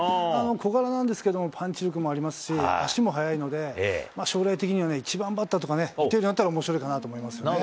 小柄なんですけども、パンチ力もありますし、足も速いので、将来的には１番バッターとかね、打てるようになったら、おもしろいかなと思いますね。